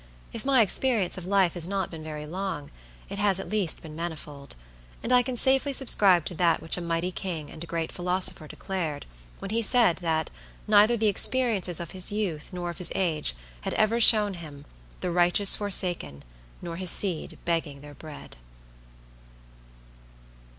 If my experience of life has not been very long, it has at least been manifold; and I can safely subscribe to that which a mighty king and a great philosopher declared, when he said, that neither the experience of his youth nor of his age had ever shown him "the righteous forsaken, nor his seed begging their bread."